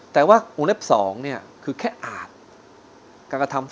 แต่ว่าวงเล็บ๒เนี่ยคือแค่อาจการกระทำ